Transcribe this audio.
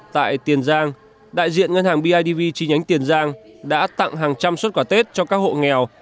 tại tiền giang đại diện ngân hàng bidv chi nhánh tiền giang đã tặng hàng trăm xuất quả tết cho các hộ nghèo